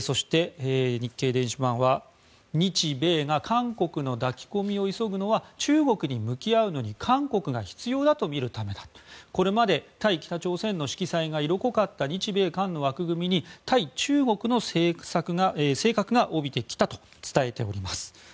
そして、日経電子版は日米が韓国の抱き込みを急ぐのは中国に向き合うのに韓国が必要だとみるためだこれまで対北朝鮮の色彩が色濃かった日米韓の枠組みに対中国の性格が帯びてきたと伝えています。